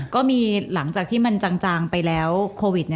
ก็มีหลังจากที่มันจางไปแล้วโควิด